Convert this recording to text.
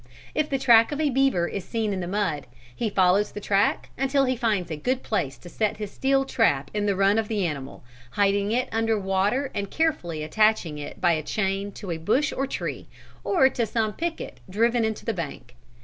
If the track of a beaver is seen in the mud, he follows the track until he finds a good place to set his steel trap in the run of the animal, hiding it under water and carefully attaching it by a chain to a bush or tree, or to some picket driven into the bank.